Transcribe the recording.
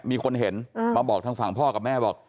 มีคนเห็นมาบอกทางฝั่งพ่อกับแม่บอก